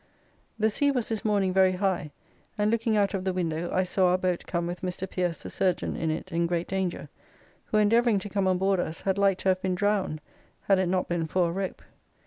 The sea was this morning very high, and looking out of the window I saw our boat come with Mr. Pierce, the surgeon, in it in great danger, who endeavouring to come on board us, had like to have been drowned had it not been for a rope.